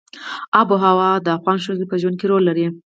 آب وهوا د افغان ښځو په ژوند کې رول لري.